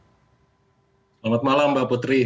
selamat malam mbak putri